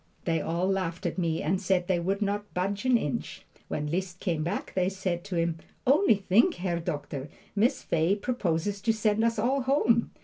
They all laughed at me and said they would not budge an inch. When Liszt came back they said to him, "Only think, Herr Doctor, Miss Fay proposes to send us all home."